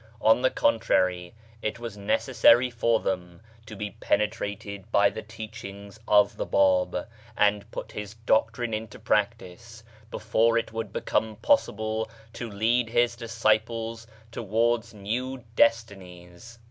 On the contrary, it was necessary for them to be penetrated by the teachings of the Bab, and put his doctrine into practice, before it would become possible to lead his disciples towards new destinies.